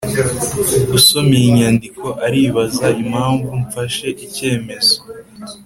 Usoma iyi nyandiko aribaza impamvu mfashe icyemezo